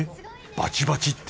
バチバチって？